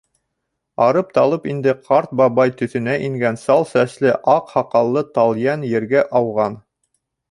Арып-талып инде ҡарт бабай төҫөнә ингән сал сәсле, аҡ һаҡаллы Талйән ергә ауған.